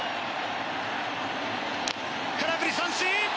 空振り三振！